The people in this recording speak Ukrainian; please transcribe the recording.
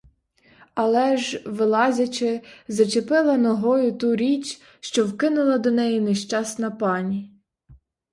Але ж, вилазячи, зачепила ногою ту річ, що вкинула до неї нещасна пані.